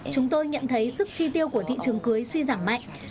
chúng tôi nhận thấy sức chi tiêu của thị trường cưới suy giảm mạnh